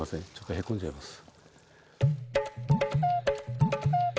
へっこんじゃいます。